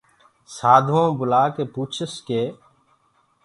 سآڌوآئوٚنٚ بُلآڪي پوٚڇس۔ ڪي